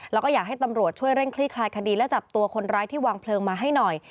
แล้วก็อยากให้ตำรวจช่วยเร่งคลี่คลายคดีและจับตัวคนร้ายที่วางเพลิงมาให้หน่อย